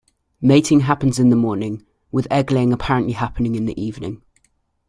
Mating happens in the mornings, with egg-laying apparently happening in the evening.